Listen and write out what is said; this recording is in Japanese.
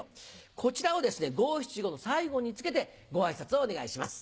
こちらを五・七・五の最後に付けてご挨拶をお願いします。